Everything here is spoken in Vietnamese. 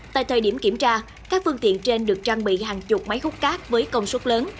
tại thời điểm kiểm tra các phương tiện trên được trang bị hàng chục máy hút cát với công suất lớn